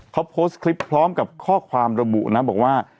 เขาโพสต์คลิปพร้อมกับข้อความระบุนะบอกว่า